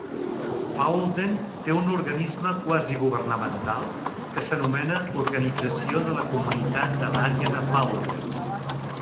Paulden té un organisme quasigovernamental que s'anomena Organització de la Comunitat de l'Àrea de Paulden.